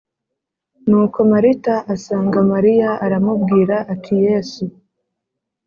Nuko Marita asanga Mariya aramubwira ati Yesu